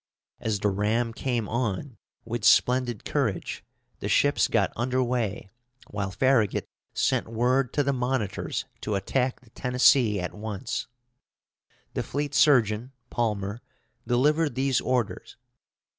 As the ram came on, with splendid courage, the ships got under way, while Farragut sent word to the monitors to attack the Tennessee at once. The fleet surgeon, Palmer, delivered these orders.